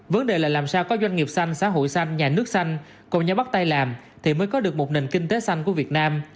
vấn đề là làm sao có doanh nghiệp xanh xã hội xanh nhà nước xanh cùng nhau bắt tay làm thì mới có được một nền kinh tế xanh của việt nam